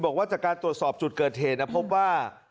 บอกว่าจากการตรวจสอบจุดเกิดเหตุพบว่า